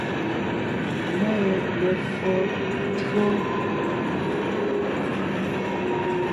Nê me[o tÿǒ.